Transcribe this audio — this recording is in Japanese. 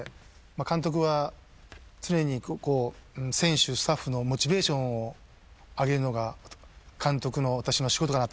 監督は常に選手スタッフのモチベーションを上げるのが監督の私の仕事かなと。